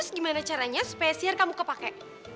terus gimana caranya supaya sihir kamu kepake